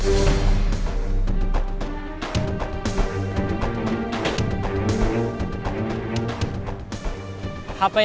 hape yang gak bisa jual hape saya